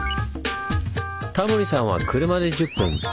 タモリさんは車で１０分